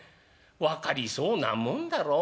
分かりそうなもんだろ？